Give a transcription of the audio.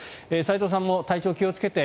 齋藤さんも体調気をつけて。